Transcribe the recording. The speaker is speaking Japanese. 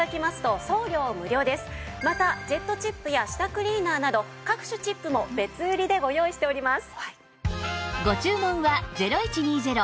またジェットチップや舌クリーナーなど各種チップも別売りでご用意しております。